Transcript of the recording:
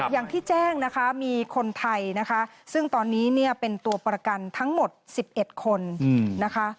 อย่างที่แจ้งนะคะมีคนไทยนะคะซึ่งตอนนี้เนี่ยเป็นตัวประกันทั้งหมด๑๑คนนะคะ